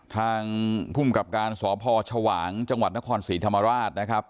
ทางภูมิกับการสพชวางจังหวัดนครศรีธรรมราชนะครับ